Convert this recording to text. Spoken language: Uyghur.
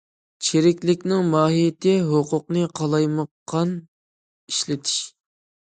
چىرىكلىكنىڭ ماھىيىتى ھوقۇقنى قالايمىقان ئىشلىتىش.